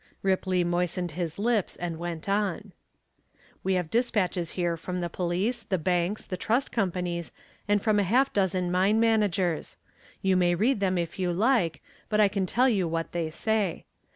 Ripley moistened his lips and went on "We have dispatches here from the police, the banks, the trust companies and from a half dozen mine managers. You may read them if you like, but I can tell you what they say.